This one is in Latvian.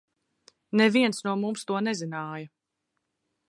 Neviens no mums to nezināja.